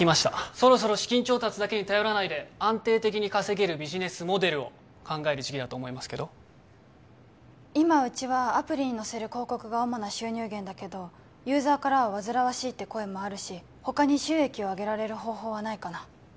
そろそろ資金調達だけに頼らないで安定的に稼げるビジネスモデルを考える時期だと思いますけど今うちはアプリに載せる広告が主な収入源だけどユーザーからは煩わしいって声もあるし他に収益を上げられる方法はないかな？